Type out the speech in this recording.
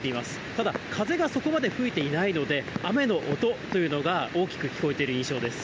ただ、風がそこまで吹いていないので、雨の音というのが大きく聞こえている印象です。